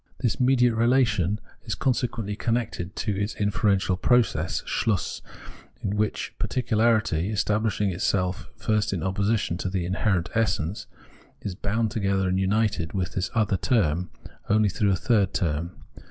This mediate relation is consequently a connected inferential process {Schluss), in which particularity, esua^blifihing itself at first in opposition to the inherent esseAce, is bound together and united with this other term , only through a third term.